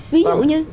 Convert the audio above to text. ví dụ như